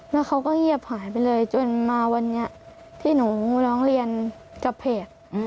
แล้วเขาก็เงียบหายไปเลยจนมาวันนี้ที่หนูร้องเรียนกับเพจ